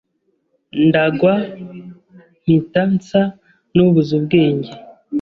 ndagwa mpita nsa n’ubuze ubwenge